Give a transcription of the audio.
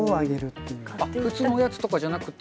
普通のおやつとかじゃなくて。